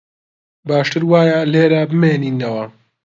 باشتر وایە لێرە بمێنییەوە